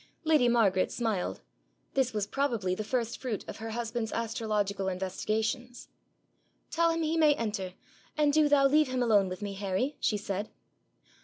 Lady Margaret smiled: this was probably the first fruit of her husband's astrological investigations. 'Tell him he may enter, and do thou leave him alone with me, Harry,' she said.